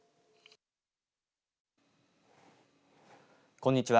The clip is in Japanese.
こんにちは。